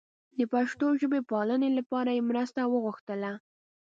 د پښتو ژبې پالنې لپاره یې مرسته وغوښتله.